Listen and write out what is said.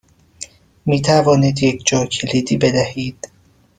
می توانید یک جاکلیدی بدهید؟